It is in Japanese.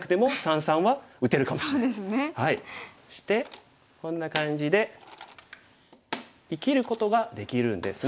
そしてこんな感じで生きることができるんですね。